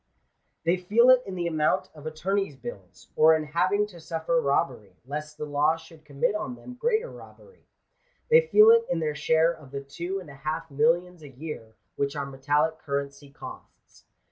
They feel it in the amount of attorneys' bills ; or in having to suffer robbery, lest the law should commit on them greater robbery. They feel it in their share of the two and a half millions a year, which our metallic currency costs.